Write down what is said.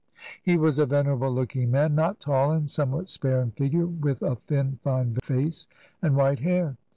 He was a venerable looking man, not tall, and some what spare in figure, with a thin, fine face and white hair.